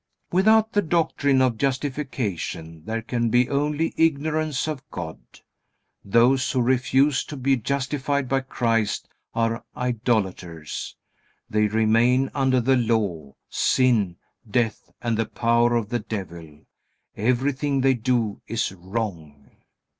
Without the doctrine of justification there can be only ignorance of God. Those who refuse to be justified by Christ are idolaters. They remain under the Law, sin, death, and the power of the devil. Everything they do is wrong.